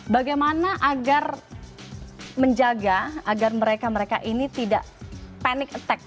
bagaimana agar menjaga agar mereka mereka ini tidak panic attack